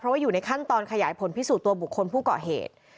ว่าอยู่ในขั้นตอนขยายผลพิสูจน์ตัวบุคคลผู้ก่อเหตุ